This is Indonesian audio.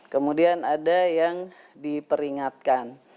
kemudian ada yang diperingatkan